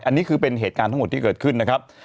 อันนี้คือเป็นเหตุการณ์ทั้งหมดที่เกิดขึ้นนะครับ